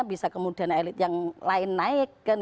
bisa kemudian elit yang lain naik